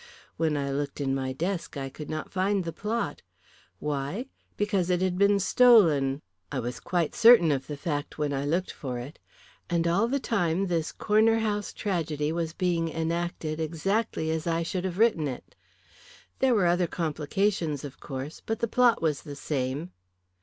When I looked in my desk I could not find the plot. Why? Because it had been stolen. "I was quite certain of the fact when I looked for it. And all the time this Corner House tragedy was being enacted exactly as I should have written it. There were other complications, of course, but the plot was the same."